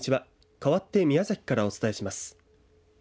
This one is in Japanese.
かわって宮崎からお伝えします。